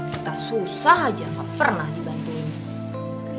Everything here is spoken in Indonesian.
kita susah aja gak pernah dibantuin